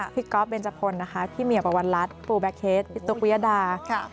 พี่ก๊อฟเบนจพลพี่เมียปวัวรัสปูแบคเคสพี่ตุ๊กเวียดา